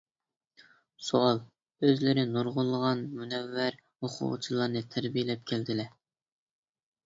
سوئال: ئۆزلىرى نۇرغۇنلىغان مۇنەۋۋەر ئوقۇغۇچىلارنى تەربىيەلەپ كەلدىلە.